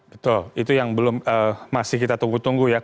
betul itu yang belum masih kita tunggu tunggu ya